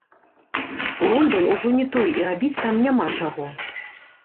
Лондан ужо не той, і рабіць там няма чаго.